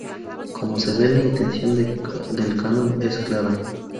Como se ve, la intención del canon es clara.